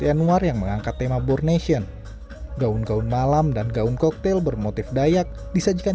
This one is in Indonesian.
yanuar yang mengangkat tema bornation gaun gaun malam dan gaun koktel bermotif dayak disajikan